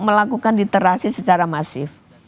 melakukan literasi secara masif